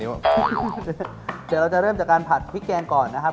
เดี๋ยวเราจะเริ่มจากการผัดพริกแกงก่อนนะครับ